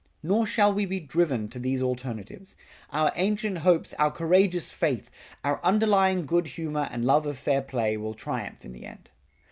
Nor shall we be driven to these alternatives. Our ancient hopes, our courageous faith, our underlying good humor and love of fair play will triumph in the end.